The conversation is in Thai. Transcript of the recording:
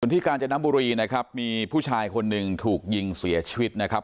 ที่กาญจนบุรีนะครับมีผู้ชายคนหนึ่งถูกยิงเสียชีวิตนะครับ